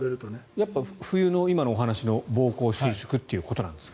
やっぱり冬の今のお話の膀胱収縮ということなんですか？